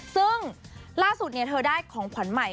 ซึ่งล่าสุดเธอได้ของขวัญใหม่